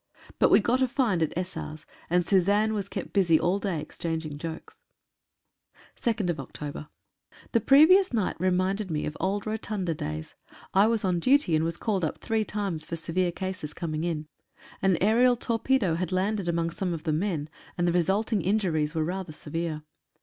But we got a find at Essars, and Suzanne was kept busy all day exchanging jokes. 134 AEROPLANE EXPEDITION. 2nd Oct.— The previous night reminded me of old Rotunda days. I was on duty, and was called up three times for severe cases coming in. An aerial torpedo had landed among some of the men, and the resulting injuries were rather severe.